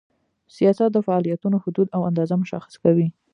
سیاست د فعالیتونو حدود او اندازه مشخص کوي.